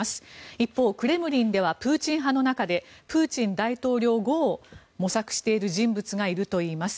一方、クレムリンではプーチン派の中でプーチン大統領後を模索している人物がいるといいます。